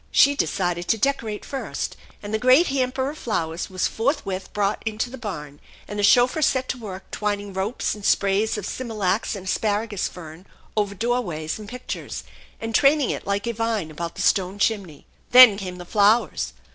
She decided to decorate first, and the great hamper of flowers was forthwith brought into the barn, and the chauffeur set to work twining ropes and sprays of smilax and asparagus fern oyer doorways and pictures, and training it like a vine about the stone chimney. Then come the flowers.